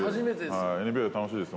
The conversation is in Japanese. ＮＢＡ、楽しいですよ。